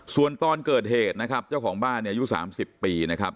ส่วนตอนเกิดเหตุนะครับเจ้าของบ้านเนี่ยอายุ๓๐ปีนะครับ